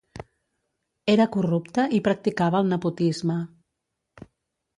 Era corrupte i practicava el nepotisme.